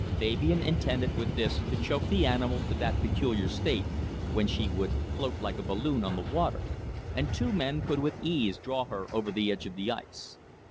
Fabian intended with this to choke the animal to that peculiar state when she would float like a balloon on the water, and two men could with ease draw her over the edge of the ice.